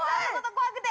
怖くて。